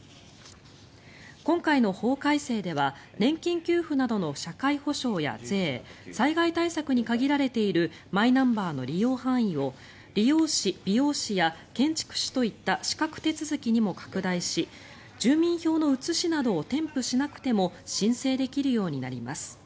今回の法改正では年金給付などの社会保障や税災害対策に限られているマイナンバーの利用範囲を理容師、美容師や建築士といった資格手続きにも拡大し住民票の写しなどを添付しなくても申請できるようになります。